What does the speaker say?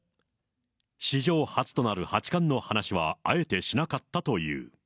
史上初となる八冠の話は、あえてしなかったという。